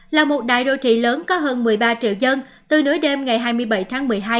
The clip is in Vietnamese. là một đại đô thị lớn có hơn một mươi ba triệu dân từ nối đêm ngày hai mươi bảy tháng một mươi hai